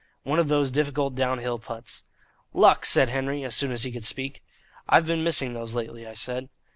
One of those difficult down hill putts. "Luck!" said Henry, as soon as he could speak. "I've been missing those lately," I said.